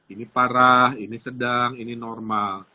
ini parah ini sedang ini normal